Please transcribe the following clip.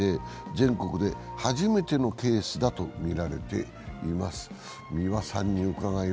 全国で初めてのケースだとみられています。